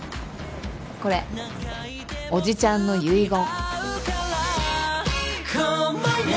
これ叔父ちゃんの遺言。